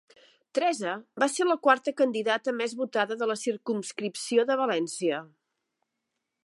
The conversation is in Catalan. Teresa va ser la quarta candidata més votada de la circumscripció de València.